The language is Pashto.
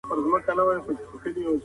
ښه انسان تل صادق وي